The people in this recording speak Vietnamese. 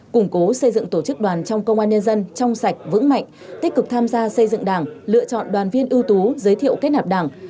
củng cố xây dựng tổ chức đoàn trong công an nhân dân trong sạch vững mạnh tích cực tham gia xây dựng đảng lựa chọn đoàn viên ưu tú giới thiệu kết nạp đảng